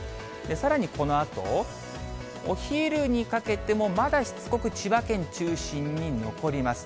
さらにこのあと、お昼にかけても、まだしつこく千葉県中心に残ります。